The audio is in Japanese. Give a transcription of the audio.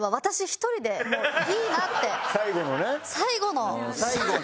最後のね。